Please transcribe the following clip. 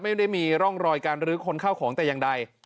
ไม่ได้มีร่องรอยการรื้อคนเข้าของแต่อย่างใด